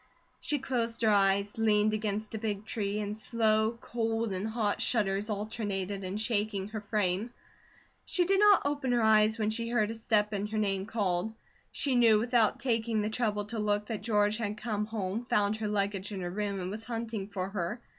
She closed her eyes, leaned against a big tree, and slow, cold and hot shudders alternated in shaking her frame. She did not open her eyes when she heard a step and her name called. She knew without taking the trouble to look that George had come home, found her luggage in her room, and was hunting for her.